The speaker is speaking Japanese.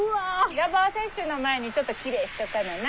予防接種の前にちょっときれいしとかなな。